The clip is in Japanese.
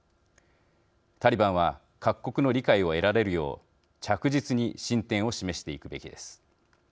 タリバンは各国の理解を得られるよう着実に進展を示していくべきです。